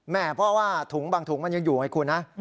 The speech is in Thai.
เพราะว่าถุงบางถุงมันยังอยู่ไงคุณนะ